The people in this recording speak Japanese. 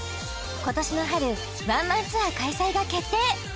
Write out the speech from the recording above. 今年の春ワンマンツアー開催が決定